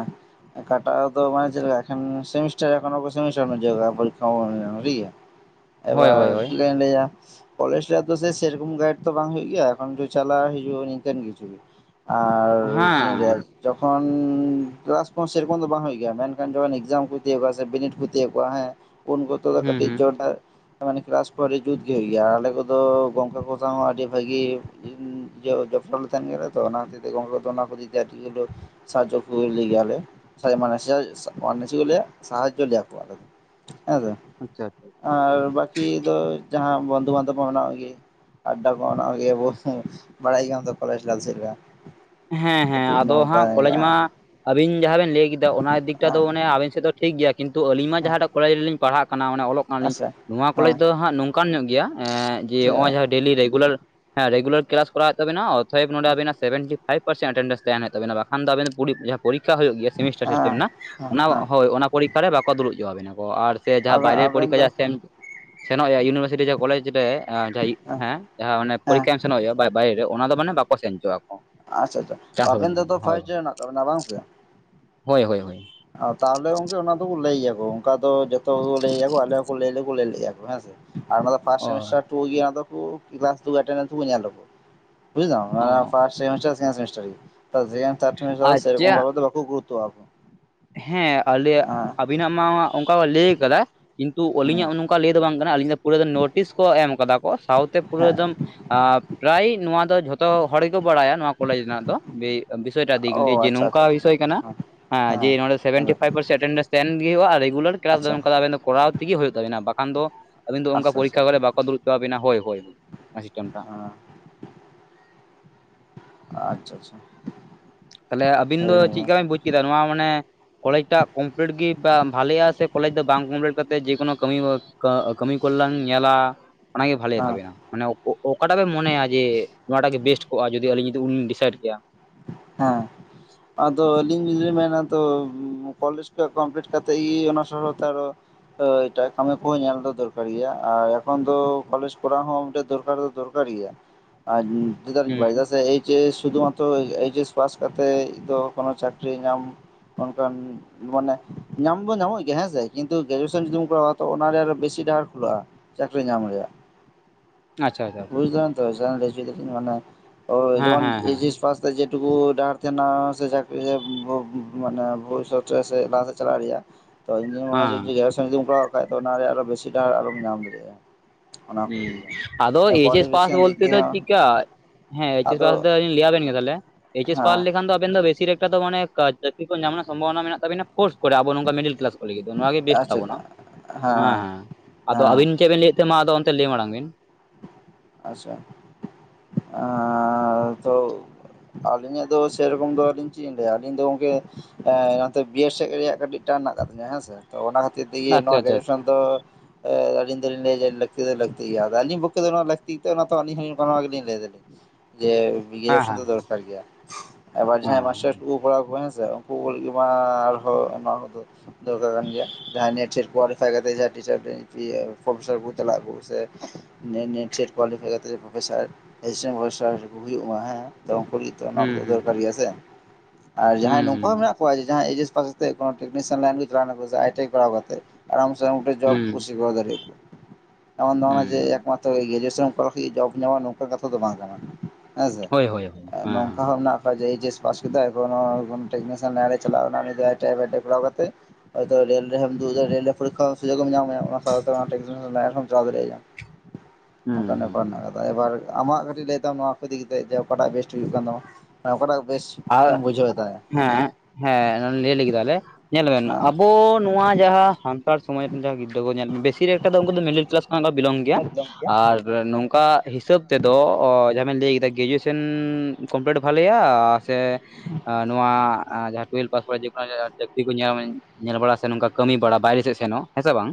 ᱚᱠᱟᱴᱟᱜ ᱫᱚ ᱢᱟᱱᱮ ᱪᱮᱫ ᱞᱮᱠᱟ ᱮᱠᱷᱮᱱ ᱥᱮᱢᱤᱥᱴᱟᱨ ᱮᱠᱷᱚᱱᱚ ᱥᱮᱢᱤᱥᱴᱟᱨ [unintelligible] ᱦᱩᱭᱩᱜᱼᱟ ᱯᱚᱨᱤᱠᱠᱷᱟ ᱴᱷᱤᱠ ᱜᱮᱭᱟ [inaudible] ᱮᱵᱟᱨ ᱦᱳᱭ ᱪᱮᱜᱠᱟᱧ ᱞᱟᱹᱭᱟ? ᱠᱚᱞᱮᱡᱽ ᱨᱮ ᱟᱫᱚ ᱥᱮ ᱥᱮᱨᱚᱠᱚᱢ ᱜᱟᱭᱤᱰ ᱛᱚ ᱵᱟᱝ ᱦᱩᱭᱩᱜ ᱨᱮᱭᱟ ᱮᱠᱷᱚᱱ ᱪᱟᱞᱟᱜ ᱦᱤᱡᱩᱜᱼᱟᱹᱧ ᱱᱤᱝᱠᱟ. ᱱ ᱠᱤᱪᱷᱩ ᱜᱮ ᱟᱨ ᱪᱮᱫ ᱤᱧ ᱞᱮᱭᱟ ᱦᱮᱸ ᱡᱚᱠᱷᱚᱱᱼ [inaudible] ᱠᱮᱞᱟᱥ ᱠᱚᱦᱚᱸ ᱥᱮᱨᱚᱠᱚᱢ ᱫᱚ ᱵᱟᱝ ᱦᱩᱭᱩᱜ ᱜᱮᱭᱟ ᱾ ᱢᱮᱱᱠᱷᱟᱱ ᱡᱚᱠᱷᱚᱱ ᱮᱠᱡᱟᱢ ᱠᱚ ᱛᱤᱭᱳᱜᱣᱟ ᱥᱮ ᱵᱤᱱᱤᱰ ᱠᱚ ᱛᱤᱭᱳᱜᱣᱟ ᱦᱮᱸ ᱩᱱ ᱚᱠᱛᱚ ᱫᱚ ᱦᱩᱸ ᱠᱟᱹᱴᱤᱡ ᱦᱩᱸ ᱡᱳᱨ ᱫᱟᱨ ᱢᱟᱱᱮ ᱠᱞᱟᱥ ᱠᱚ ᱟᱹᱰᱤ ᱡᱩᱛ ᱜᱮ ᱦᱩᱭᱩᱜ ᱜᱮᱭᱟ ᱾ ᱟᱨ ᱟᱞᱮ ᱠᱚᱫᱚ ᱜᱚᱢᱠᱮ ᱠᱚ ᱥᱟᱶ ᱦᱚᱸ ᱟᱹᱰᱤ ᱵᱷᱟᱹᱜᱤ ᱫᱤᱱ ᱡᱚᱯᱲᱟᱣ ᱞᱮ ᱛᱟᱦᱮᱱ ᱜᱮᱭᱟ ᱛᱚ ᱚᱱᱟ ᱠᱷᱟᱹᱛᱤᱨ ᱛᱮᱜᱮ ᱜᱚᱡᱠᱮ ᱠᱚ ᱫᱚ ᱚᱱᱟᱠᱚ ᱫᱤᱠ ᱫᱤᱭᱮ ᱠᱟᱹᱴᱤᱡ ᱦᱚᱞᱮᱳ ᱥᱟᱦᱟᱡᱡᱚ ᱠᱚᱜᱮ ᱜᱮᱭᱟᱞᱮ ᱢᱟᱱᱮ ᱪᱮᱜ ᱠᱚ ᱞᱮᱭᱟ ᱥᱟᱦᱟᱡᱡᱚ ᱞᱮᱭᱟᱠᱚ ᱟᱞᱮ ᱫᱚ ᱦᱮᱸ ᱥᱮ ᱟᱪᱪᱷᱟ ᱟᱪᱪᱷᱟ ᱟᱨ ᱵᱟᱠᱤ ᱫᱚ ᱡᱟᱦᱟᱸ ᱵᱚᱱᱫᱷᱩ ᱵᱟᱱᱫᱷᱚᱵ ᱠᱚ ᱢᱮᱱᱟᱜ ᱠᱚᱜᱮᱭᱟ ᱟᱰᱰᱟ ᱠᱚ ᱦᱮᱱᱜ ᱜᱮᱭᱟ ᱵᱟᱲᱟᱭ ᱜᱮᱭᱟᱢ ᱛᱚ ᱠᱚᱞᱮᱡᱽ ᱞᱟᱭᱤᱯᱷ ᱪᱮᱫ ᱞᱮᱠᱟ ᱦᱮᱸ ᱦᱮᱸ ᱠᱟᱹᱴᱤᱡ ᱟᱫᱚ ᱱᱚᱝᱠᱟ ᱦᱟᱸᱜ ᱠᱚᱞᱮᱡᱽ ᱢᱟ ᱟᱵᱤᱱ ᱡᱟᱦᱟᱸ ᱵᱮᱱ ᱞᱟᱹᱭ ᱠᱮᱫᱟ ᱚᱱᱟ ᱫᱤᱠᱴᱟ ᱫᱚ ᱢᱟᱱᱮ ᱟᱵᱮᱱ ᱥᱮᱫ ᱫᱚ ᱴᱷᱤᱠ ᱜᱮᱭᱟ ᱠᱤᱱᱛᱩ ᱟᱹᱞᱤᱧ ᱢᱟ ᱡᱟᱦᱟᱸᱴᱟᱜᱼ ᱠᱚᱞᱮᱡᱽ ᱨᱮᱞᱤᱧ ᱯᱟᱲᱦᱟᱜ ᱠᱟᱱᱟ ᱢᱟᱱᱮ ᱚᱞᱚᱜ ᱠᱟᱱᱟᱞᱤᱧ ᱟᱪᱪᱷᱟ ᱱᱚᱣᱟ ᱠᱚᱞᱮᱡᱽ ᱦᱮᱸ ᱫᱚ ᱦᱟᱸᱜ ᱱᱚᱝᱠᱟᱱ ᱧᱚᱜ ᱜᱮᱭᱟ ᱡᱮ ᱱᱚᱜᱼᱚᱭ ᱡᱟᱦᱟᱸ ᱰᱮᱞᱤ ᱨᱮᱜᱩᱞᱟᱨ ᱦᱮᱸ ᱨᱮᱜᱩᱞᱟᱨ ᱠᱞᱟᱥ ᱠᱚᱟᱣ ᱛᱟᱵᱤᱱᱟ ᱚᱛᱷᱚᱭᱮᱵ ᱟᱵᱮᱱᱟᱜ ᱥᱮᱵᱷᱮᱱᱴᱤ ᱯᱷᱟᱭᱤᱯ ᱯᱟᱨᱥᱮᱱ ᱮᱴᱮᱱᱰᱮᱱᱥ ᱛᱟᱦᱮᱱ ᱛᱟᱰᱮᱱᱟ ᱵᱟᱠᱷᱟᱱ ᱡᱟᱦᱟᱸ ᱯᱚᱨᱤᱠᱷᱟ ᱦᱩᱭᱩᱜ ᱜᱮᱭᱟ ᱥᱮᱢᱤᱥᱴᱟᱨ ᱥᱤᱥᱴᱮᱢ ᱦᱮᱸ ᱨᱮᱱᱟᱜ ᱚᱱᱟ ᱦᱮᱸ ᱦᱳᱭ ᱚᱱᱟ ᱯᱚᱨᱤᱠᱷᱟ ᱨᱮ ᱵᱟᱠᱚ ᱫᱩᱲᱩᱵ ᱡᱚ ᱟᱵᱤᱱᱟ ᱠᱚ ᱟᱨ ᱥᱮ ᱡᱟᱦᱟᱸ ᱟᱵᱮᱱ ᱵᱟᱭᱨᱮ ᱟᱵᱮᱱ ᱯᱚᱨᱤᱠᱷᱟ ᱫᱚ ᱡᱟ ᱥᱮᱢ ᱼᱼ ᱥᱮᱱᱚᱜ ᱦᱩᱭᱩᱜᱼᱟ ᱤᱭᱩᱱᱤᱵᱷᱟᱨᱥᱤᱴᱤ ᱡᱟᱦᱟᱸ ᱠᱚᱞᱮᱡᱽ ᱨᱮ ᱦᱮᱸ ᱦᱮᱸ ᱯᱚᱨᱤᱠᱠᱷᱟ ᱮᱢ ᱥᱮᱱᱚᱜ ᱦᱩᱭᱩᱜᱼᱟ ᱵᱟᱭ ᱵᱟᱭᱨᱮ ᱨᱮ ᱚᱱᱟ ᱫᱚ ᱢᱟᱱᱮ ᱵᱟᱠᱚ ᱥᱮᱱ ᱦᱚᱪᱚ ᱟᱠᱚ ᱟᱪᱪᱷᱟ ᱟᱪᱪᱷᱟ ᱟᱵᱮᱱ ᱛᱚ ᱯᱷᱟᱥᱴ ᱨᱮ ᱢᱮᱱᱟᱜ ᱛᱟᱵᱮᱱᱟ ᱵᱟᱝ ᱥᱮ? ᱦᱳᱭ ᱦᱳᱭ ᱦᱳᱭ ᱛᱟᱦᱚᱞᱮ ᱜᱚᱝᱠᱮ ᱚᱱᱟ ᱫᱚᱠᱚ ᱞᱟᱹᱭ ᱜᱮᱭᱟᱠᱚ ᱚᱱᱠᱟ ᱫᱚ ᱡᱚᱛᱚ ᱜᱮᱠᱚ ᱞᱟᱹᱭᱟ ᱠᱚ ᱟᱞᱮ ᱦᱚᱸᱠᱚ ᱞᱟᱹᱭ ᱞᱮ ᱞᱟᱹᱭ ᱞᱮᱭᱟ ᱠᱚ ᱦᱮᱸᱥᱮ ᱟᱨ ᱚᱱᱟᱫᱚ ᱯᱷᱟᱥᱴ ᱚ ᱥᱮᱢᱮᱥᱴᱟᱨ ᱴᱩ ᱤᱭᱟᱫᱩᱠᱩ ᱜᱮᱞᱟᱥ ᱫᱚᱠᱩ ᱧᱮᱞᱟᱫᱟᱠᱚ, ᱵᱩᱡ ᱫᱟᱢ ᱚ ᱚᱱᱟ ᱯᱷᱟᱥᱴ ᱥᱮᱢᱮᱥᱴᱟᱨ ᱥᱮᱠᱮᱱ ᱥᱮᱢᱮᱥᱴᱟᱨ ᱜᱮ ᱥᱮᱠᱮᱱ ᱛᱷᱟᱰ ᱟᱪᱪᱷᱟ ᱥᱮᱢᱮᱥᱴᱟᱨ ᱫᱚ ᱵᱟᱠᱚ ᱜᱩ ᱼᱼ ᱛᱳᱭᱟᱠᱚ ᱦᱮᱸ ᱟᱞᱮᱭᱟᱜ ᱟᱵᱤᱱᱟᱜ ᱢᱟ ᱚᱱᱠᱟ ᱞᱟᱹᱭ ᱠᱟᱫᱟ ᱠᱤᱱᱛᱩ ᱦᱮᱸ ᱟᱹᱞᱤᱧᱟᱜ ᱱᱚᱝᱠᱟ ᱞᱟᱹᱭ ᱫᱚ ᱵᱟᱝ ᱠᱟᱱᱟ ᱟᱹᱞᱤᱧ ᱫᱚ ᱯᱩᱨᱟᱹ ᱱᱳᱴᱤᱥ ᱠᱚ ᱮᱢ ᱠᱟᱫᱟ ᱠᱚ ᱥᱟᱶᱛᱮ ᱯᱩᱨᱟᱹ ᱮᱫᱚᱢ ᱯᱨᱟᱭ ᱱᱚᱣᱟ ᱫᱚ ᱡᱷᱚᱛᱚ ᱦᱚᱲ ᱜᱮᱠᱚ ᱵᱟᱲᱟᱭᱟ ᱱᱚᱣᱟ ᱠᱚᱞᱮᱡᱽ ᱨᱮᱱᱟᱜ ᱫᱚ ᱵᱤᱥᱚᱭᱴᱟ ᱫᱤᱠ ᱚ ᱫᱤᱭᱮ ᱡᱮ ᱱᱩᱝ ᱟᱪᱪᱷᱟ ᱼᱼ ᱠᱟ ᱟᱪᱪᱷᱟ ᱵᱤᱥᱚᱭ ᱟᱪᱪᱷᱟ ᱠᱟᱱᱟ ᱦᱮᱸ ᱦᱮᱸ ᱡᱮ ᱱᱚᱰᱮ ᱥᱮᱵᱷᱮᱱᱴᱤ ᱟᱪᱪᱷᱟ ᱯᱷᱟᱭᱤᱯ ᱯᱟᱨᱥᱮᱱ ᱮᱴᱮᱱᱰᱮᱱᱥ ᱛᱟᱦᱮᱱ ᱜᱮ ᱦᱩᱭᱩᱜᱼᱟ ᱨᱮᱜᱩᱞᱟᱨ ᱠᱞᱟᱥ ᱫᱚ ᱟᱪᱪᱷᱟ ᱚᱱᱠᱟ ᱫᱚ ᱟᱵᱮᱱ ᱫᱚ ᱠᱚᱨᱟᱣ ᱴᱷᱤᱠ ᱜᱤ ᱦᱩᱭᱩᱜ ᱛᱟᱵᱤᱱᱟ ᱵᱟᱠᱷᱟᱱ ᱫᱚ ᱟᱹᱵᱤᱱ ᱫᱚ ᱚᱱᱠᱟ ᱟᱪᱪᱷᱟ ᱯᱚᱨᱤᱠᱠᱷᱟ ᱠᱚᱨᱮ ᱵᱟᱠᱚ ᱫᱩᱵᱪᱚᱣᱟᱵᱮᱱᱟ ᱦᱳᱭ ᱦᱳᱭ ᱚᱱᱟ ᱥᱤᱥᱴᱮᱢ ᱴᱟᱜ ᱦᱮᱸ ᱦᱩᱸ ᱟᱪᱪᱷᱟ ᱟᱪᱪᱷᱟ ᱾ ᱛᱟᱦᱚᱞᱮ ᱟᱹᱵᱤᱱ ᱫᱚ ᱦᱮᱸ ᱪᱮᱫᱠᱟ ᱵᱤᱱ ᱵᱩᱡ ᱠᱮᱫᱟ ᱱᱚᱣᱟ ᱢᱟᱱᱮ ᱠᱚᱞᱮᱡᱽᱴᱟᱜ ᱠᱚᱢᱯᱞᱤᱴ ᱜᱮ ᱵᱷᱟᱞᱮᱜᱼᱟ ᱥᱮ ᱠᱚᱞᱮᱡᱽ ᱫᱚ ᱵᱟᱝ ᱠᱚᱢᱯᱞᱤᱴ ᱠᱟᱛᱮ ᱡᱮᱳᱱᱳ ᱠᱟᱹᱢᱤᱼ ᱠᱟᱹᱢᱤ ᱠᱚᱞᱟᱝ ᱧᱮᱞᱟ ᱚᱱᱟᱜᱮ ᱵᱷᱟᱞᱮ ᱛᱟᱵᱮᱱᱟ ᱾ ᱢᱟᱱᱮ ᱚᱠᱟᱴᱟᱜ ᱵᱮ ᱢᱚᱱᱮᱭᱟ ᱡᱮ ᱱᱚᱣᱟᱴᱟᱜ ᱜᱮ ᱵᱮᱥᱴ ᱠᱚᱜᱼᱟ ᱡᱩᱫᱤ ᱟᱹᱞᱤᱧ ᱡᱩᱫᱤ ᱩᱱᱞᱤᱧ ᱰᱤᱥᱟᱭᱤᱰ ᱠᱮᱭᱟ? ᱦᱮᱸ ᱟᱫᱚ ᱟᱹᱞᱤᱧᱞᱤᱧ ᱢᱮᱱᱟ ᱛᱚ ᱠᱚᱞᱮᱡᱽ ᱯᱮ ᱠᱚᱢᱯᱞᱤᱴ ᱠᱟᱛᱮ ᱤ ᱚᱱᱟ ᱥᱚᱥᱚᱛᱟ ᱠᱚ ᱦᱳᱭ ᱮᱴᱟᱜ ᱠᱟᱹᱢᱤ ᱠᱚᱦᱚᱸ ᱧᱮᱞ ᱫᱚ ᱫᱚᱨᱠᱟᱨ ᱜᱮᱭᱟ ᱟᱨ ᱮᱠᱷᱚᱱ ᱫᱚ ᱠᱚᱞᱮᱡᱽ ᱠᱚᱨᱟᱣ ᱦᱚᱸ ᱢᱤᱫᱴᱟᱹ ᱫᱚᱨᱠᱟᱨ ᱫᱚ ᱫᱚᱨᱠᱟᱨ ᱫᱟᱲᱤᱭᱟᱜ ᱟᱧ ᱱᱤᱛᱚᱜ ᱫᱚ ᱵᱟᱭᱡᱟ ᱦᱩᱸ ᱥᱮ ᱮᱭᱪᱮᱥ ᱥᱩᱫᱩ ᱢᱟᱛᱨᱚ ᱮᱭ ᱮᱤᱪ ᱮᱥ ᱯᱟᱥ ᱠᱟᱛᱮᱜ ᱫᱚ ᱠᱚᱱᱚ ᱪᱟᱹᱠᱨᱤ ᱧᱟᱢ ᱚᱱᱠᱟᱱ ᱢᱟᱱᱮ ᱧᱟᱢ ᱫᱚ ᱧᱟᱢᱚᱜ ᱜᱮᱭᱟ ᱦᱮᱸᱥᱮ ᱾ ᱠᱤᱱᱛᱩ ᱜᱨᱮᱡᱩᱭᱮᱥᱮᱱ ᱡᱩᱫᱤᱢ ᱠᱚᱨᱟᱣᱟ ᱛᱚ ᱚᱱᱟᱨᱮ ᱟᱨᱚ ᱵᱮᱥᱤ ᱰᱟᱦᱟᱨ ᱠᱷᱩᱞᱟᱹᱜ-ᱟ ᱪᱟᱹᱠᱨᱤ ᱧᱟᱢ ᱦᱳᱭᱳᱜ ᱟ [inaudible] ᱵᱩᱡ ᱡᱟᱱ ᱛᱚ [unintelligible] ᱢᱟᱱᱮ ᱦᱮᱸ ᱡᱮᱢᱚᱱ ᱦᱮᱸ ᱦᱮᱸ ᱮᱭᱪᱮᱥ ᱯᱟᱥ ᱛᱮᱡᱮᱴ ᱴᱩᱵᱩ ᱰᱟᱦᱟᱨ ᱛᱟᱦᱮᱸᱱᱟ ᱥᱮ [unintelligible] ᱵᱷᱩᱵᱤᱥᱚᱛ ᱨᱮᱥᱮ ᱮᱴᱟᱜ ᱥᱮᱫ ᱪᱟᱞᱟᱜ ᱨᱮᱭᱟᱜ ᱛᱚ ᱤᱧᱫᱩᱧ ᱢᱚᱱᱮ ᱦᱮᱸ ᱡᱚᱭᱥᱚᱝ ᱡᱩᱤᱢ ᱠᱚᱨᱟᱣ ᱠᱷᱟᱡ ᱚᱱᱟᱨᱮ ᱟᱨᱚ ᱵᱮᱥᱤ ᱰᱟᱦᱟᱨ ᱟᱨᱞᱚᱢ ᱧᱟᱢ ᱫᱟᱲᱮᱭᱟᱜᱼᱟ ᱚᱱᱟ ᱠᱚ ᱦᱩᱸ ᱤᱫᱤ ᱟᱫᱚ ᱮᱭᱪ ᱮᱥ ᱯᱟᱥ ᱠᱚᱣᱟᱞᱤᱯᱷᱤᱠᱮᱥᱚᱱ ᱫᱤᱠ ᱵᱚᱞᱛᱮ ᱫᱤᱭᱮ ᱪᱤᱫᱠᱟ ᱦᱚᱸ ᱦᱮᱸ ᱮᱭᱪ ᱮᱥ ᱟᱫᱚ ᱯᱟᱥ ᱫᱚ ᱞᱤᱭᱟ ᱵᱮᱱ ᱜᱮᱫᱚᱞᱮ ᱮᱭᱪᱮᱥ ᱦᱮᱸ ᱯᱟᱞ ᱞᱮᱠᱷᱟᱱ ᱫᱚ ᱟᱵᱮᱱ ᱫᱚ ᱵᱮᱥᱤ ᱨᱮᱠᱟ ᱫᱚ ᱢᱟᱱᱮ ᱪᱟᱹᱠᱨᱤ ᱠᱚ ᱧᱟᱢ ᱨᱮᱱᱟᱜ ᱥᱚᱢᱵᱷᱚᱵᱚᱱᱟ ᱢᱮᱱᱟᱜ ᱛᱟᱵᱤᱱᱟ ᱠᱳᱥ ᱠᱚᱨᱟᱣ ᱟᱵᱚ ᱱᱚᱝᱠᱟ ᱢᱤᱰᱤᱞ ᱠᱞᱟᱥ ᱠᱩᱞᱤ ᱜᱮ ᱫᱚ ᱱᱚᱣᱟᱜ ᱜᱮ ᱵᱮᱥᱴ ᱛᱟᱵᱚᱱᱟ ᱦᱮᱸ ᱦᱮᱸ ᱟᱫᱚ ᱦᱮᱸ ᱟᱵᱤᱱ ᱪᱮᱫ ᱵᱮᱱ ᱞᱟᱹᱭᱮᱫ ᱛᱟ ᱟᱫᱚ ᱞᱟᱹᱭ ᱢᱟᱲᱟᱝ ᱵᱤᱱ ᱟᱪᱪᱷᱟ ᱟᱨ ᱫᱚ ᱟᱞᱤᱧᱟᱜ ᱫᱚ ᱥᱮᱨᱚᱠᱚᱢ ᱫᱚ ᱟᱹᱞᱤᱧ ᱪᱮᱫ ᱤᱧ ᱞᱟᱹᱭᱟ ᱟᱞᱤᱧ ᱫᱚ ᱜᱚᱝᱠᱮ ᱱᱟᱛᱮ ᱵᱤᱭᱮᱥ ᱥᱮᱜ ᱨᱮᱭᱟᱜ ᱠᱟᱹᱴᱤᱡ ᱪᱟ ᱨᱮᱱᱟᱜ ᱠᱟᱛᱷᱟᱭᱟ ᱦᱮᱸᱥᱮ ᱛᱚ ᱚᱱᱟ ᱠᱷᱟᱛᱤᱨ ᱛᱮᱜᱮ ᱟᱪᱪᱷᱟ ᱱᱚᱣᱟ ᱟᱪᱪᱷᱟ ᱜᱨᱮᱡᱩᱭᱮᱥᱟᱱ ᱛᱚ ᱟᱹᱞᱤᱧ ᱫᱚᱞᱤᱧ ᱞᱟᱹᱭᱟ ᱡᱮ ᱞᱟᱹᱠᱛᱤ ᱫᱚ ᱞᱟᱹᱠᱛᱤ ᱜᱮᱭᱟ ᱟᱫᱚ ᱟᱹᱞᱤᱧ ᱵᱚᱠᱠᱷᱮ ᱫᱚ ᱞᱟᱠ ᱛᱤ ᱛᱚ ᱱᱟ ᱛᱚ ᱟᱹᱞᱤᱧ ᱦᱚᱸᱱᱤᱭᱟᱹ ᱠᱚᱨᱟᱣ ᱜᱮᱞᱤᱧ ᱞᱟᱹᱭ ᱫᱟ ᱡᱮ ᱦᱮᱸ ᱜᱤᱨᱤᱭᱮᱥᱚᱱ ᱦᱮᱸ ᱫᱚ ᱫᱚᱨᱠᱟᱨ ᱜᱮᱭᱟ ᱟᱵᱟᱨ ᱡᱟᱦᱟᱸᱭ ᱢᱟᱥᱴᱟᱨ ᱠᱚᱠᱚ ᱯᱟᱲᱟᱣ ᱠᱚᱣᱟ ᱦᱮᱸᱥᱮᱸ ᱩᱱᱠᱩ [unintelligible] ᱠᱚᱢᱟ ᱟᱨᱦᱚᱸ ᱚᱱᱟ ᱠᱚᱫᱚ ᱫᱚᱨᱠᱟᱨ ᱠᱟᱱ ᱜᱮᱭᱟ ᱡᱟᱦᱟᱸᱟᱭ ᱱᱮᱴ ᱥᱮᱴ ᱠᱚᱣᱟᱞᱤᱯᱷᱟᱭ ᱠᱟᱛᱮ ᱡᱟ ᱴᱤᱪᱟᱨ [unintelligible] ᱯᱨᱚᱯᱮᱨᱥᱟᱨ ᱠᱚ ᱪᱟᱞᱟᱜ ᱟᱠᱚ ᱥᱮᱸ ᱱᱮᱴ ᱱᱮᱴ ᱥᱮᱴ ᱠᱳᱣᱟᱞᱤᱯᱷᱟᱭ ᱠᱟᱛᱮ ᱯᱨᱚᱯᱷᱮᱥᱟᱨ ᱮᱭᱥᱮᱝ ᱯᱨᱚᱯᱷᱮᱥᱟᱨ ᱦᱩᱭᱩᱜ ᱢᱟ ᱦᱮᱸ ᱛᱚ ᱩᱱᱠᱩ ᱛᱮ ᱚᱱᱟ ᱦᱩᱸ ᱠᱚᱫᱚ ᱫᱚᱨᱠᱟᱨ ᱦᱩᱸ ᱜᱮᱭᱟ ᱥᱮ ᱟᱨ ᱦᱩᱸ ᱡᱟᱦᱟᱸᱭ ᱦᱩᱸ ᱱᱚᱝᱠᱟ ᱢᱮᱱᱟᱜ ᱮᱭᱪᱮᱥ ᱯᱟᱥ ᱟᱛᱮᱫ ᱠᱚᱱᱚ ᱴᱮᱠᱱᱤᱥᱤᱟᱭ ᱞᱟᱭᱤᱱ ᱛᱮ ᱪᱟᱞᱟᱣ ᱱᱟ ᱠᱚᱥᱮ ᱟᱭᱴᱤ ᱠᱚᱨᱟᱣ ᱠᱟᱛᱮ ᱟᱨᱟᱢ ᱥᱮ ᱚᱱᱟ ᱢᱤᱫ ᱴᱤᱡ ᱦᱩᱸ ᱡᱚᱵ ᱦᱩᱸ ᱠᱩᱥᱤ ᱠᱚ ᱫᱟᱲ ᱮᱢᱚᱱ ᱫᱷᱟᱨᱚᱱᱟ ᱡᱮ ᱦᱩᱸ ᱮᱠᱢᱟᱛᱨᱚ ᱜᱨᱤᱡᱮᱥᱚᱱ ᱱᱮᱢ ᱠᱚᱨᱟᱣ ᱞᱮᱠᱷᱟᱡ ᱡᱮ ᱡᱚᱵ ᱧᱟᱢᱚᱜ-ᱟ ᱱᱚᱝᱠᱟᱱ ᱠᱟᱛᱷᱟ ᱫᱚ ᱵᱟᱝ ᱠᱟᱱᱟ ᱦᱮᱸᱥᱮ ᱦᱳᱭ ᱦᱳᱭ ᱦᱳᱭ ᱦᱮᱸ ᱱᱚᱝᱠᱟ ᱦᱚᱸ ᱚᱱᱟ ᱮᱭᱪᱮᱥ ᱯᱟᱥ ᱠᱮᱫᱟ ᱚᱠᱚᱭ ᱱᱚᱣᱟ ᱴᱮᱠᱱᱮᱥᱤᱭᱟᱱ ᱞᱟᱭᱱ ᱨᱮ ᱪᱟᱞᱟᱜ-ᱟᱭ ᱱᱟᱜ ᱩᱱᱤᱫᱚ ᱟᱭᱴᱤ ᱟᱭ ᱠᱚᱨᱟᱣ ᱠᱟᱛᱮ ᱦᱚᱭᱛᱳ ᱞᱮᱹᱞ ᱨᱮᱚᱢ ᱫᱩ [unintelligible] ᱯᱚᱨᱤᱠᱠᱷᱟ ᱥᱩᱡᱳᱜᱮᱢ ᱧᱟᱢᱟ ᱚᱱᱟ [unintelligible] ᱴᱮᱠᱱᱤᱥᱤᱟᱭ [unintelligible] ᱪᱟᱞᱟᱣ ᱫᱟᱲᱮᱭᱟᱜ-ᱟ ᱦᱩᱸ ᱱᱚᱝᱠᱟᱱ ᱦᱩᱸ ᱵᱮᱯᱟᱨ ᱢᱮᱱᱟᱜ ᱟᱠᱟᱫᱟ ᱮᱵᱟᱨ ᱟᱢᱟᱜ ᱠᱟᱹᱴᱤᱡ ᱞᱟᱹᱭ ᱛᱟᱢ ᱱᱚᱣᱟ ᱠᱚ ᱤᱫᱤ ᱠᱮᱛᱮᱜ ᱚᱠᱟᱴᱟᱜ ᱵᱮᱥᱴ ᱦᱩᱭᱩᱜ ᱠᱟᱱ ᱛᱟᱢᱟ ᱦᱮᱸ ᱚᱠᱟᱴᱟᱜ ᱵᱮᱥ ᱟᱨ ᱦᱮᱸ ᱦᱮᱸ ᱞᱟᱹᱭ ᱞᱟᱹᱜᱤᱫᱟᱞᱮ ᱧᱮᱞ ᱵᱮᱱ ᱦᱮᱸ ᱟᱵᱚ ᱱᱚᱣᱟ ᱡᱟᱦᱟᱸ ᱥᱟᱱᱛᱟᱲ ᱥᱚᱢᱟᱡᱽ ᱨᱮᱱ ᱡᱟᱦᱟᱸ ᱜᱤᱫᱽᱨᱟᱹ ᱠᱚ ᱧᱮᱞ ᱢᱮ ᱵᱮᱥᱤ ᱮᱠᱴᱟ ᱫᱚ ᱩᱱᱠᱩ ᱫᱚ ᱢᱮᱱᱤ ᱠᱞᱟᱥ ᱠᱷᱚᱱᱟᱜ ᱫᱚ ᱵᱤᱞᱚᱝ ᱜᱮᱭᱟ ᱮᱠᱫᱚᱢ ᱜᱮ ᱟᱨ ᱱᱚᱝᱠᱟ ᱦᱤᱥᱟᱹᱯ ᱛᱮᱫᱚ ᱡᱟᱦᱟᱸ ᱵᱤᱱ ᱞᱟᱹᱭ ᱠᱮᱫᱟ ᱜᱮᱡᱤᱭᱮᱥᱮᱱ ᱠᱚᱢᱯᱞᱤᱴ ᱵᱷᱟᱞᱮᱭᱟ ᱥᱮ ᱟ ᱱᱚᱣᱟ ᱡᱟᱦᱟᱸ ᱴᱩᱭᱮᱞᱵᱷ ᱯᱟᱥᱚᱜ-ᱟ ᱡᱮ ᱠᱚᱱᱚ ᱡᱟᱭᱜᱟ ᱪᱟᱠᱨᱤ ᱠᱚ ᱧᱟᱢᱟᱧ ᱧᱮᱞ ᱵᱟᱲᱟ ᱥᱮ ᱱᱚᱝᱠᱟ ᱠᱟᱹᱢᱤ ᱵᱟᱲᱟ ᱵᱟᱭᱨᱮ ᱥᱮᱜ ᱥᱮᱱᱚᱜ ᱦᱮᱸ ᱥᱮ ᱵᱟᱝ ᱵᱟᱝ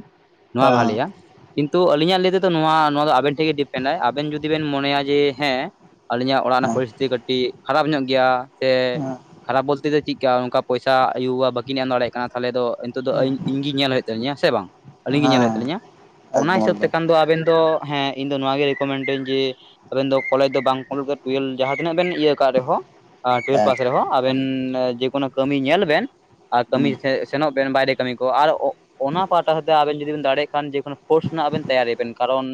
ᱱᱚᱣᱟ ᱵᱷᱟᱞᱮᱭᱟ ᱦᱮᱸ ᱠᱤᱱᱛᱩ ᱟᱞᱤᱧᱟᱜ ᱞᱟᱹᱭ ᱛᱮᱫᱚ ᱱᱚᱣᱟ ᱱᱚᱣᱟ ᱫᱚ ᱟᱵᱮᱱ ᱴᱷᱮᱱ ᱜᱮ ᱰᱤᱯᱮᱱᱰᱟᱭ ᱟᱵᱮᱱ ᱡᱩᱫᱤ ᱵᱮᱱ ᱢᱚᱱᱮᱭᱟ ᱡᱮ ᱦᱮᱸ ᱟᱹᱞᱤᱧᱟᱜ ᱚᱲᱟᱜ ᱨᱮᱱᱟᱜ ᱯᱚᱨᱤᱥᱛᱷᱤᱛᱤ ᱠᱟᱹᱴᱤᱡ ᱠᱷᱟᱨᱟᱯ ᱧᱚᱜ ᱜᱮᱭᱟ ᱥᱮ ᱦᱮᱸ ᱠᱷᱟᱨᱟᱯ ᱵᱚᱞᱛᱮ ᱫᱚ ᱪᱮᱜᱠᱟ ᱝᱠᱟ ᱯᱚᱭᱥᱟ ᱟᱭᱩᱵᱟᱵᱟ ᱵᱟᱹᱠᱤᱱ ᱮᱢ ᱫᱟᱲᱮᱭᱟᱜ ᱠᱟᱱᱟ ᱛᱦᱟᱞᱮ ᱫᱚ ᱛᱚᱜ ᱫᱚ ᱦᱮᱸ ᱤᱧᱜᱮ ᱧᱮᱞ ᱦᱩᱭᱩᱜ ᱛᱟᱹᱞᱤᱧᱟ ᱥᱮ ᱵᱟᱝ ᱟᱹᱞᱤᱧ ᱜᱮ ᱧᱮᱞ ᱦᱩᱭᱩᱜ ᱦᱮᱸ ᱛᱟᱹᱞᱤᱧᱟ ᱚᱱᱟ ᱮᱠᱫᱚᱢ ᱦᱤᱥᱟᱹᱵ ᱮᱠᱫᱚᱢ ᱛᱮᱠᱷᱟᱱ ᱫᱚ ᱟᱵᱮᱱ ᱫᱚ ᱦᱮᱸ ᱤᱧ ᱫᱚ ᱱᱚᱣᱟ ᱜᱮ ᱨᱤᱠᱚᱢᱮᱱᱴ ᱟᱹᱧ ᱡᱮ ᱟᱵᱮᱱ ᱫᱚ ᱠᱚᱞᱮᱡᱽ ᱫᱚ ᱵᱟᱝ ᱴᱩᱭᱮᱞ ᱡᱟᱦᱟᱸ ᱛᱤᱱᱟᱹᱜ ᱵᱮᱱ ᱤᱭᱟᱹ ᱠᱟᱜ ᱨᱮᱦᱚᱸ ᱟᱨ ᱴᱩᱭᱮᱞ ᱦᱮᱸ ᱯᱟᱥ ᱨᱮᱦᱚᱸ ᱟᱵᱮᱱ ᱡᱮᱠᱚᱱᱚ ᱠᱟᱹᱢᱤ ᱧᱮᱞ ᱵᱮᱱ ᱟᱨ ᱦᱩᱸ ᱠᱟᱹᱢᱤ ᱥᱮᱱᱚᱜ ᱵᱮᱱ ᱵᱟᱭᱨᱮ ᱠᱟᱹᱢᱤ ᱠᱚ ᱟᱨ ᱚ ᱚᱱᱟ ᱯᱟᱦᱴᱟᱥᱮᱫᱟᱜ ᱟᱵᱮᱱ ᱡᱩᱫᱤ ᱵᱮᱮᱱ ᱫᱟᱲᱮᱭᱟᱜ ᱠᱷᱟᱱ ᱡᱮᱠ ᱠᱚᱱᱚ ᱯᱳᱥᱱᱳ ᱛᱮᱭᱟᱨᱮᱱ ᱠᱟᱨᱚᱱ